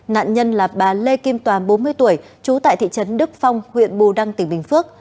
nạn nhân là bà lê kim toàn bốn mươi tuổi trú tại thị trấn đức phong huyện bù đăng tỉnh bình phước